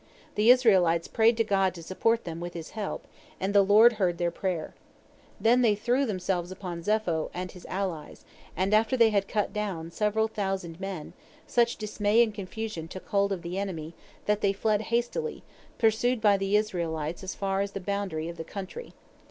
The Israelites prayed to God to support them with His help, and the Lord heard their prayer. Then they threw themselves upon Zepho and his allies, and after they had cut down several thousand men, such dismay and confusion took hold of the enemy that they fled hastily, pursued by the Israelites as far as the boundary of the country.